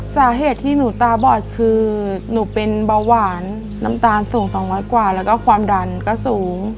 สาเหตุที่หนูตาบอดคือหนูเป็นเบาหวานน้ำตาลสูง๒๐๐กว่าแล้วก็ความดันก็สูง